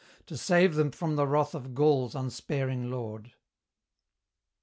To save them from the wrath of Gaul's unsparing lord.